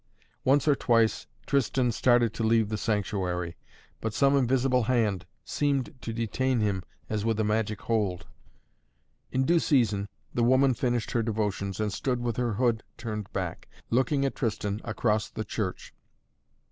Once or twice Tristan started to leave the sanctuary, but some invisible hand seemed to detain him as with a magic hold. In due season the woman finished her devotions and stood with her hood turned back, looking at Tristan across the church.